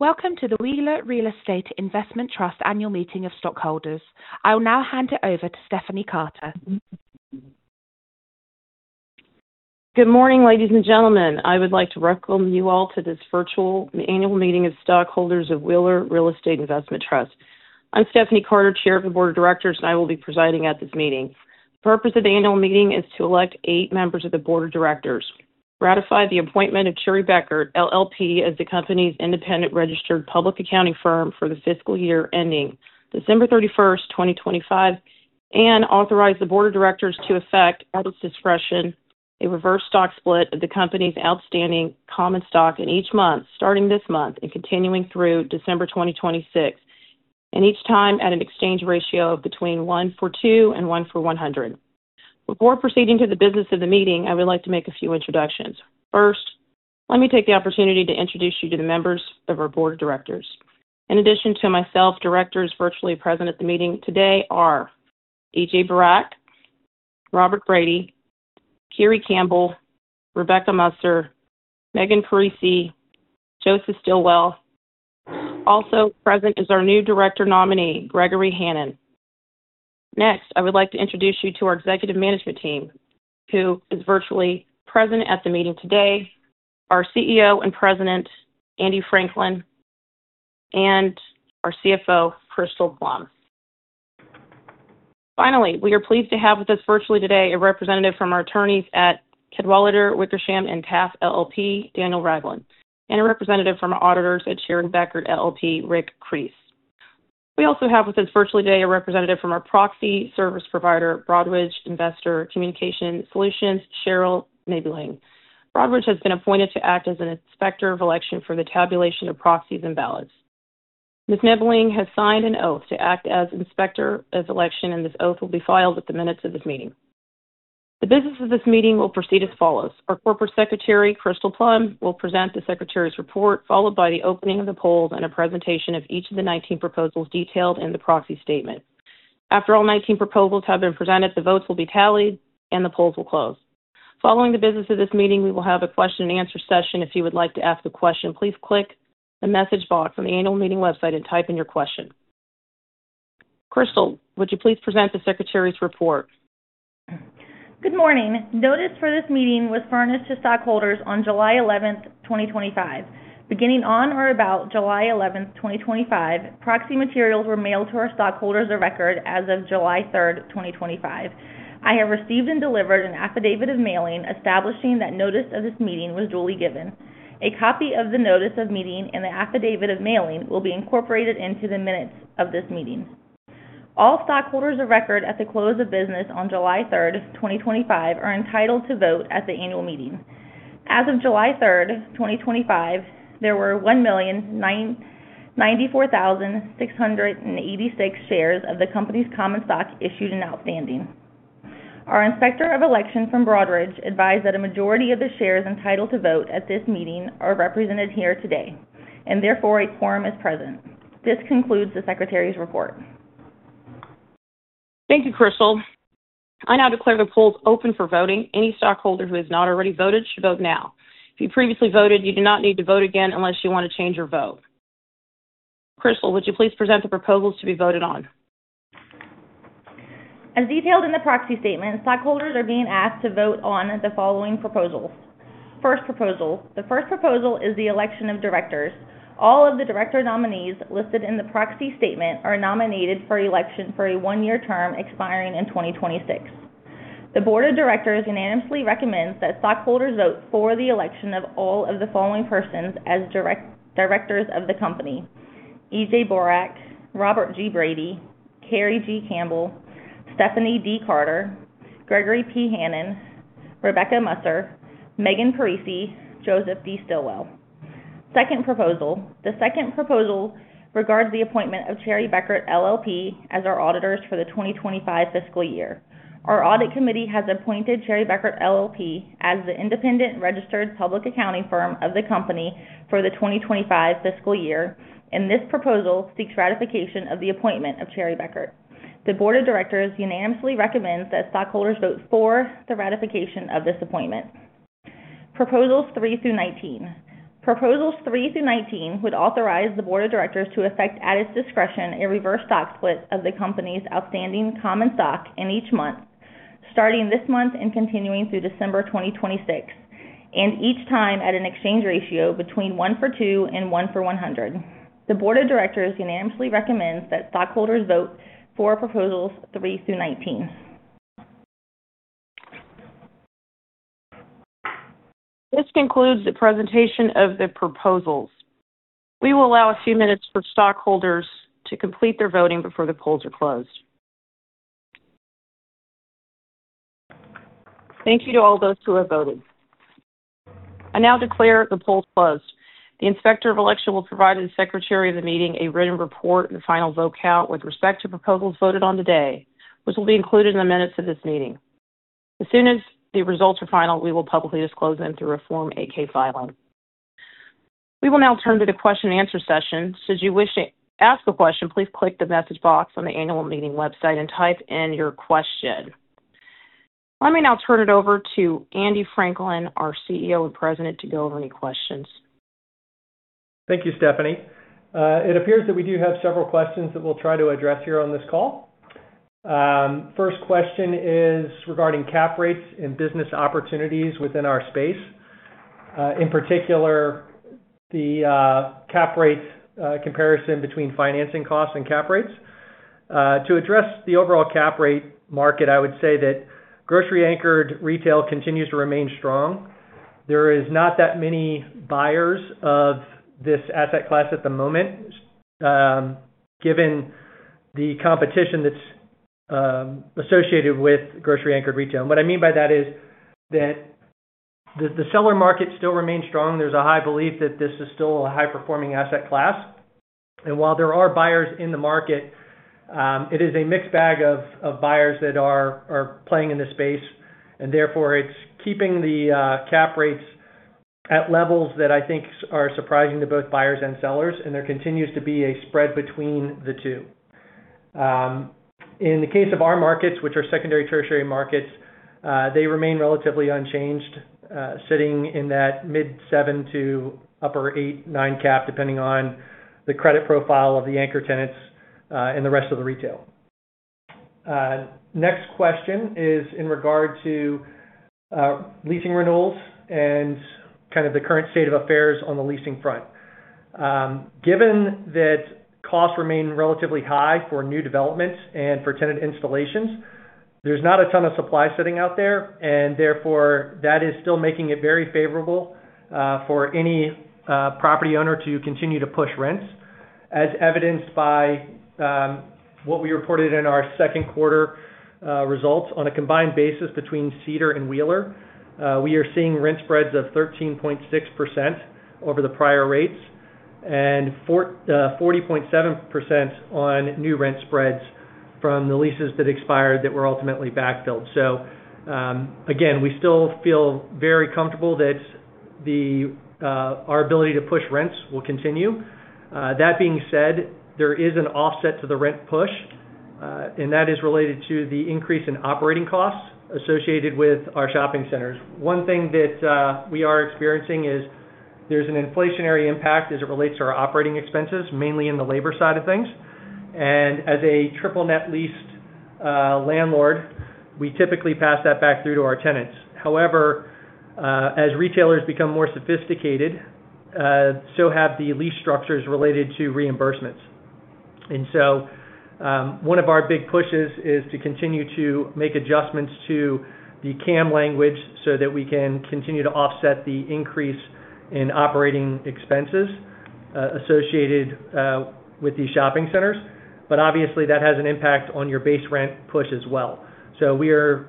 Welcome to the Wheeler Real Estate Investment Trust Annual Meeting of Stockholders. I will now hand it over to Stefani Carter. Good morning, ladies and gentlemen. I would like to welcome you all to this virtual Annual Meeting of Stockholders of Wheeler Real Estate Investment Trust. I'm Stefani Carter, Chair of the Board of Directors, and I will be presiding at this meeting. The purpose of the annual meeting is to elect eight members of the Board of Directors, ratify the appointment of Cherry Bekaert LLP as the company's independent registered public accounting firm for the fiscal year ending December 31, 2025, and authorize the Board of Directors to effect, at its discretion, a reverse stock split of the company's outstanding common stock in each month, starting this month and continuing through December 2026, and each time at an exchange ratio of between 1/2 and 1/100. Before proceeding to the business of the meeting, I would like to make a few introductions. First, let me take the opportunity to introduce you to the members of our board of directors. In addition to myself, directors virtually present at the meeting today are E.J. Borrack, Robert Brady, Kerry Campbell, Rebecca Musser, Megan Parisi, Joseph Stilwell. Also present is our new director nominee, Gregory Hannon. Next, I would like to introduce you to our executive management team who is virtually present at the meeting today, our CEO and President, Andy Franklin, and our CFO, Crystal Plum. Finally, we are pleased to have with us virtually today a representative from our attorneys at Cadwalader, Wickersham & Taft LLP, Daniel Raglan, and a representative from auditors at Cherry Bekaert LLP, Richard Creese. We also have with us virtually today a representative from our proxy service provider, Broadridge Investor Communication Solutions, Cheryl Nebeling. Broadridge has been appointed to act as an inspector of election for the tabulation of proxies and ballots. Ms. Nebeling has signed an oath to act as inspector of election, and this oath will be filed with the minutes of this meeting. The business of this meeting will proceed as follows. Our corporate secretary, Crystal Plum, will present the secretary's report, followed by the opening of the polls and a presentation of each of the 19 proposals detailed in the proxy statement. After all 19 proposals have been presented, the votes will be tallied, and the polls will close. Following the business of this meeting, we will have a question and answer session. If you would like to ask a question, please click the message box on the annual meeting website and type in your question. Crystal, would you please present the secretary's report? Good morning. Notice for this meeting was furnished to stockholders on July 11th, 2025. Beginning on or about July 11th, 2025, proxy materials were mailed to our stockholders of record as of July 3rd, 2025. I have received and delivered an affidavit of mailing establishing that notice of this meeting was duly given. A copy of the notice of meeting and the affidavit of mailing will be incorporated into the minutes of this meeting. All stockholders of record at the close of business on July 3rd, 2025, are entitled to vote at the annual meeting. As of July 3rd, 2025, there were 1,094,686 shares of the company's common stock issued and outstanding. Our inspector of elections from Broadridge advised that a majority of the shares entitled to vote at this meeting are represented here today, and therefore a quorum is present. This concludes the secretary's report. Thank you, Crystal. I now declare the polls open for voting. Any stockholder who has not already voted should vote now. If you previously voted, you do not need to vote again unless you want to change your vote. Crystal, would you please present the proposals to be voted on? As detailed in the proxy statement, stockholders are being asked to vote on the following proposals. First proposal. The first proposal is the election of directors. All of the director nominees listed in the proxy statement are nominated for election for a one-year term expiring in 2026. The board of directors unanimously recommends that stockholders vote for the election of all of the following persons as directors of the company. E.J. Borrack, Robert G. Brady, Kerry Campbell, Stefani D. Carter, Gregory P. Hannon, Rebecca Musser, Megan Parisi, Joseph D. Stilwell. Second proposal. The second proposal regards the appointment of Cherry Bekaert LLP as our auditors for the 2025 fiscal year. Our audit committee has appointed Cherry Bekaert LLP as the independent registered public accounting firm of the company for the 2025 fiscal year, and this proposal seeks ratification of the appointment of Cherry Bekaert. The board of directors unanimously recommends that stockholders vote for the ratification of this appointment. Proposals three through 19. Proposals three through 19 would authorize the board of directors to effect, at its discretion, a reverse stock split of the company's outstanding common stock in each month, starting this month and continuing through December 2026, and each time at an exchange ratio of between 1/2 and 1/100. The board of directors unanimously recommends that stockholders vote for proposals three through 19. This concludes the presentation of the proposals. We will allow a few minutes for stockholders to complete their voting before the polls are closed. Thank you all those who have voted. I now declare the polls closed. The inspector of election will provide the secretary of the meeting a written report and final vote count with respect to proposals voted on today, which will be included in the minutes of this meeting. As soon as the results are final, we will publicly disclose them through our Form 8-K filing. We will now turn to the question and answer session. Should you wish to ask a question, please click the message box on the annual meeting website and type in your question. Let me now turn it over to Andy Franklin, our CEO and President, to field any questions. Thank you, Stefani. It appears that we do have several questions that we'll try to address here on this call. First question is regarding cap rates and business opportunities within our space, in particular the cap rates comparison between financing costs and cap rates. To address the overall cap rate market, I would say that grocery-anchored retail continues to remain strong. There is not that many buyers of this asset class at the moment, given the competition that's associated with grocery-anchored retail. What I mean by that is that the seller market still remains strong. There's a high belief that this is still a high-performing asset class. While there are buyers in the market, it is a mixed bag of buyers that are playing in the space. Therefore, it's keeping the cap rates at levels that I think are surprising to both buyers and sellers, and there continues to be a spread between the two. In the case of our markets, which are secondary, tertiary markets, they remain relatively unchanged, sitting in that mid 7 to upper 8, 9 cap, depending on the credit profile of the anchor tenants and the rest of the retail. Next question is in regard to leasing renewals and kind of the current state of affairs on the leasing front. Given that costs remain relatively high for new developments and for tenant installations, there's not a ton of supply sitting out there, therefore that is still making it very favorable for any property owner to continue to push rents, as evidenced by what we reported in our second quarter results. On a combined basis between Cedar and Wheeler, we are seeing rent spreads of 13.6% over the prior rates and 40.7% on new rent spreads from the leases that expired that were ultimately backfilled. Again, we still feel very comfortable that our ability to push rents will continue. That being said, there is an offset to the rent push, and that is related to the increase in operating costs associated with our shopping centers. One thing that we are experiencing is there's an inflationary impact as it relates to our operating expenses, mainly on the labor side of things. As a triple net leased landlord, we typically pass that back through to our tenants. However, as retailers become more sophisticated, so have the lease structures related to reimbursements. One of our big pushes is to continue to make adjustments to the CAM language so that we can continue to offset the increase in operating expenses associated with these shopping centers. Obviously, that has an impact on your base rent push as well. We are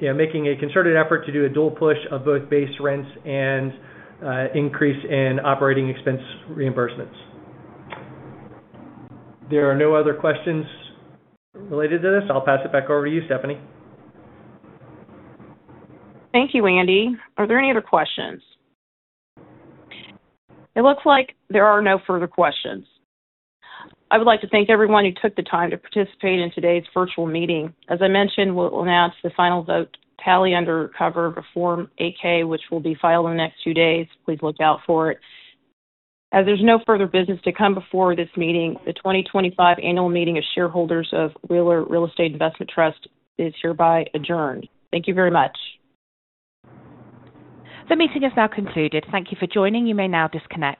making a concerted effort to do a dual push of both base rents and increase in operating expense reimbursements. If there are no other questions related to this, I'll pass it back over to you, Stefani. Thank you, Andy. Are there any other questions? It looks like there are no further questions. I would like to thank everyone who took the time to participate in today's virtual meeting. As I mentioned, we'll announce the final vote tally under cover of Form 8-K, which will be filed in the next few days. Please look out for it. As there's no further business to come before this meeting, the 2025 Annual Meeting of Shareholders of Wheeler Real Estate Investment Trust is hereby adjourned. Thank you very much. The meeting is now concluded. Thank you for joining. You may now disconnect.